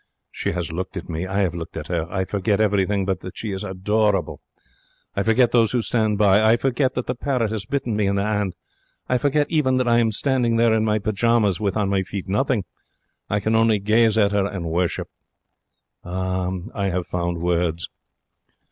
She has looked at me. I 'ave looked at her. I forget everything but that she is adorable. I forget those who stand by. I forget that the parrot has bitten me in the 'and. I forget even that I am standing there in pyjamas, with on my feet nothing. I can only gaze at her and worship. I have found words.